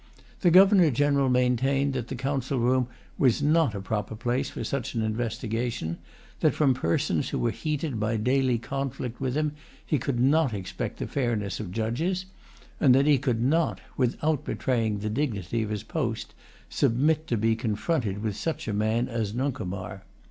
The Governor General maintained that the council room was not a proper place for such an investigation; that from persons who were heated by daily conflict with him he could not expect the fairness of judges; and that he could not, without betraying the dignity of his post, submit to be confronted with such a man as Nuncomar.